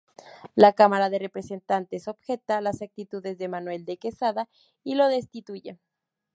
La Cámara de Representantes objeta las actitudes de Manuel de Quesada y lo destituye.